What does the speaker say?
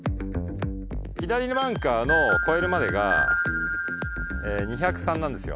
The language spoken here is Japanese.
左バンカーの越えるまでが２０３なんですよ。